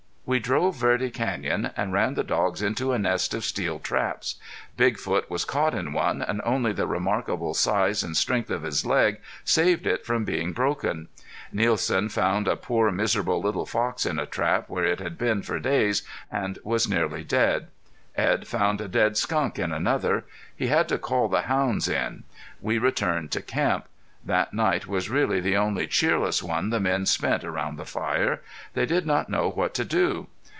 We drove Verde Canyon and ran the dogs into a nest of steel traps. Big Foot was caught in one, and only the remarkable size and strength of his leg saved it from being broken. Nielsen found a poor, miserable, little fox in a trap, where it had been for days, and was nearly dead. Edd found a dead skunk in another. He had to call the hounds in. We returned to camp. That night was really the only cheerless one the men spent around the fire. They did not know what to do.